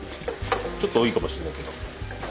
ちょっと多いかもしれないけど。